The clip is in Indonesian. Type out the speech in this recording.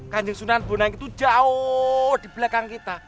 kanjeng sunan bonang itu jauh di belakang kita